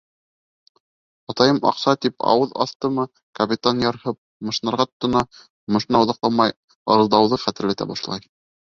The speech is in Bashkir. Атайым аҡса тип ауыҙ астымы, капитан ярһып мышнарға тотона, мышнау оҙаҡламай ырылдауҙы хәтерләтә башлай.